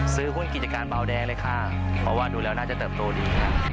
ซื้อหุ้นกิจการเบาแดงเลยค่ะเพราะว่าดูแล้วน่าจะเติบโตดีค่ะ